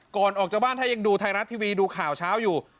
ก่อนออกจากบ้านถ้ายังดูไทยรัฐทีวีดูข่าวเช้าอยู่